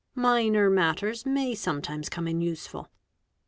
Minor matters may some _ times come in useful.